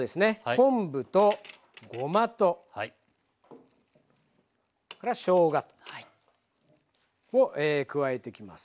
昆布とごまとしょうがを加えてきます。